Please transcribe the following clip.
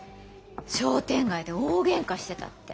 商店街で大ゲンカしてたって。